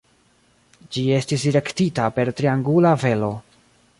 Ĝi estis direktita per triangula velo.